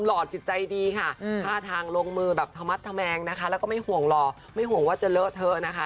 หล่อจิตใจดีค่ะท่าทางลงมือแบบธมัดธแมงนะคะแล้วก็ไม่ห่วงหล่อไม่ห่วงว่าจะเลอะเทอะนะคะ